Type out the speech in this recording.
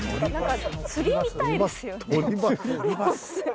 釣りみたいですよね。